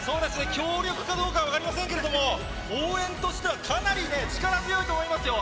強力かどうか分かりませんけれども、応援としてはね、かなりね、力強いと思いますよ。